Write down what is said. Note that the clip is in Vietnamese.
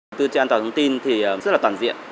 đầu tư cho an toàn thông tin thì rất là toàn diện